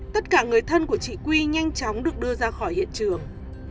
tất cả người thân của chị quy nhanh chóng được đưa ra khỏi hiện trường